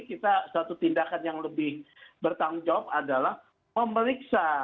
kita satu tindakan yang lebih bertanggung jawab adalah memeriksa